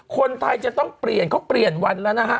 คนไทยจะต้องเปลี่ยนเขาเปลี่ยนวันแล้วนะฮะ